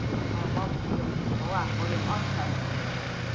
哦我唔係用蘋果啊我用安卓